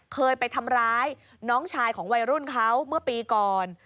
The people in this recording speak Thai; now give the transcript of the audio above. เคยไปทำร้ายน้องชายของวัยรุ่นเขาเมื่อปีก่อน